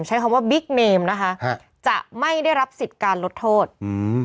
ใช้คำว่าบิ๊กเนมนะคะฮะจะไม่ได้รับสิทธิ์การลดโทษอืม